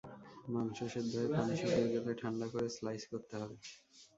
মাংস সেদ্ধ হয়ে পানি শুকিয়ে গেলে ঠান্ডা করে স্লাইস করতে হবে।